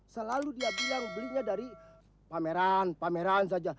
selalu dia bilang belinya dari pameran pameran saja